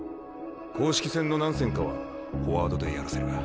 公式戦の何戦かはフォワードでやらせる。